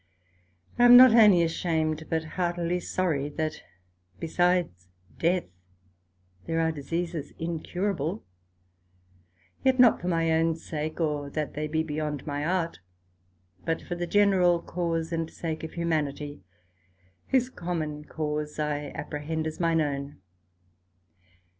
I am not only ashamed, but heartily sorry, that besides death, there are diseases incurable; yet not for my own sake, or that they be beyond my Art, but for the general cause and sake of humanity, whose common cause I apprehend as mine own.